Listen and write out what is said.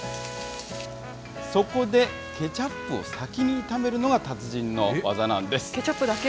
そこで、ケチャップを先に炒めるのが達人の技なんです。